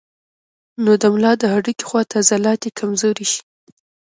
نو د ملا د هډوکي خواته عضلات ئې کمزوري شي